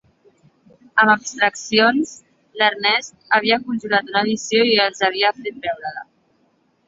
Amb abstraccions, l'Ernest havia conjurat una visió i els havia fer veure-la.